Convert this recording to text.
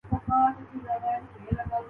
راکی Flair کے بارے میں کچھ کریں گے آپ لوگ